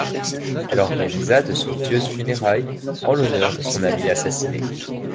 Elle organisa de somptueuses funérailles en l'honneur de son ami assassiné.